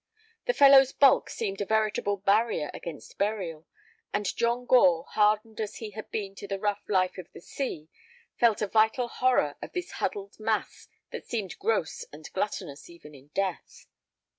The fellow's bulk seemed a veritable barrier against burial, and John Gore, hardened as he had been to the rough life of the sea, felt a vital horror of this huddled mass that seemed gross and gluttonous even in death.